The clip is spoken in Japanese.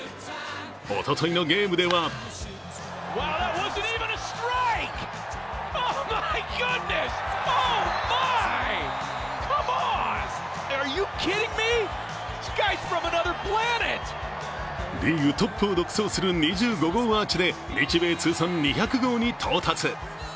おとといのゲームではリーグトップを独走する２５号アーチで日米通算２００号に到達。